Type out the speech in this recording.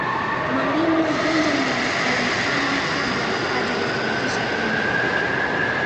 mwalimu benjamini alihama kabla hajalifanikisha hili